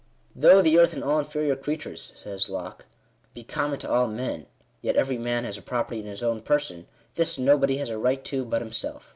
" Though the earth and all inferior creatures," says Locke, " be common to all men, yet every man has a property in his own person: this nobody has a right to but himself.